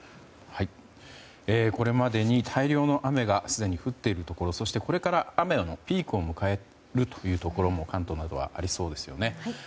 これまでに大量の雨がすでに降っているところそして、これから雨がピークを迎えるところも関東などはありそうですよね。